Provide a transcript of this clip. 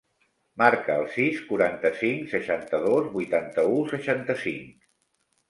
Marca el sis, quaranta-cinc, seixanta-dos, vuitanta-u, seixanta-cinc.